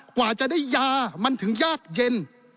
กว่าจะได้ยามันถึงยากเย็น